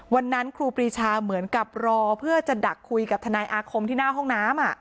ครูปรีชาเหมือนกับรอเพื่อจะดักคุยกับทนายอาคมที่หน้าห้องน้ำ